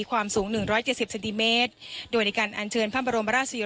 ความสูงหนึ่งร้อยเจ็ดสิบเซนติเมตรโดยในการอัญเชิญพระบรมราชยา